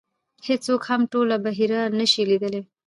هېڅوک هم ټوله بحیره نه شي لیدلی .